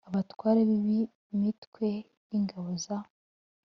abatware b b imitwe y ingabo za